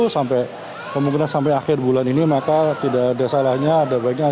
sampai kemungkinan sampai akhir bulan ini maka tidak ada salahnya ada baiknya